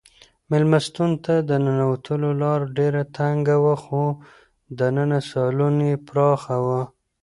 مېلمستون ته د ننوتلو لاره ډېره تنګه وه خو دننه سالون یې پراخه و.